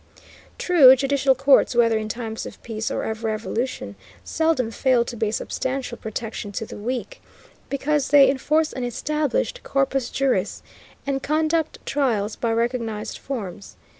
True judicial courts, whether in times of peace or of revolution, seldom fail to be a substantial protection to the weak, because they enforce an established corpus juris and conduct trials by recognized forms.